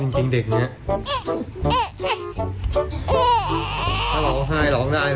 พ่อจริงเด็กเนี่ย